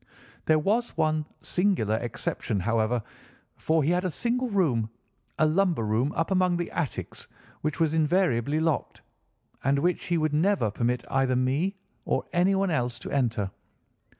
There was one singular exception, however, for he had a single room, a lumber room up among the attics, which was invariably locked, and which he would never permit either me or anyone else to enter.